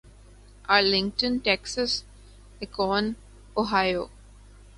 Arlington Texas Akron Ohio